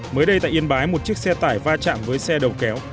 mới đây tại yên bái một chiếc xe tải va chạm với xe đầu kéo